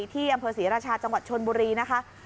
ที่อำเภอศรีราชาจังหวัดชนบุรีนะคะ